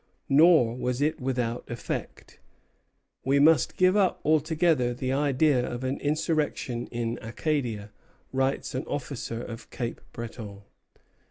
Nor was it without effect. "We must give up altogether the idea of an insurrection in Acadia," writes an officer of Cape Breton.